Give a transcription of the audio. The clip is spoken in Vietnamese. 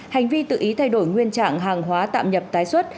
hành vi tự ý thay đổi nguyên trạng hàng hóa tạm nhập tái xuất